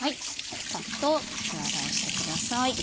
サッと手洗いしてください。